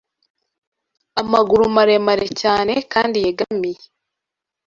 amaguru maremare cyane kandi yegamiye